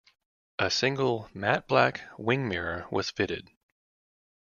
A single matte black wing mirror was fitted.